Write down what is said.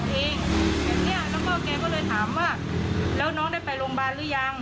แล้วแกก็เลยถามว่าแล้วน้องได้ไปโรงพยาบาลหรือยัง